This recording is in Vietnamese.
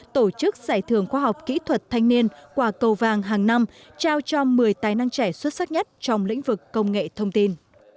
tổ chức giải thưởng khoa học kỹ thuật thanh niên quả cầu vàng hàng năm trao cho một mươi tài năng trẻ xuất sắc nhất trong lĩnh vực công nghệ thông tin